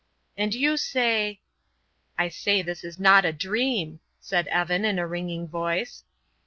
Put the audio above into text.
"And you say " "I say this is not a dream," said Evan in a ringing voice.